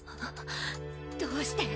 どうして？